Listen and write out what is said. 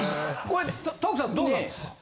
これ徳さんどうなんですか？